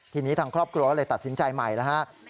ทีนี้ทางครอบครัวเลยตัดสินใจใหม่นะครับ